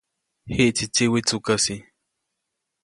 Jiʼtsi tsiwi tsukäsi.